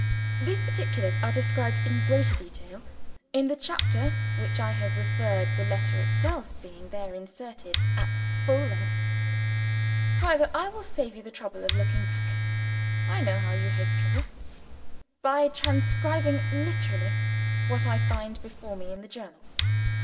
These particulars are described in greater detail in the chapter to which I have referred; the letter itself being there inserted at full length. However, I will save you the trouble of looking back I know how you hate trouble! by transcribing literally what I find before me in the Journal.